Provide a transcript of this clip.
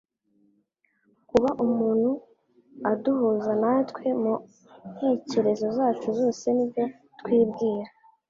Kuba umuntu adahuza natwe mu ntekerezo zacu zose n'ibyo twibwira,